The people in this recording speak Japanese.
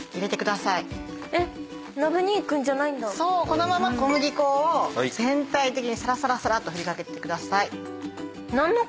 このまま小麦粉を全体的にさらさらさらっと振り掛けてください。